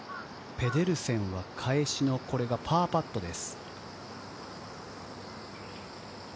ペデルセンは返しのこれがパーパットです。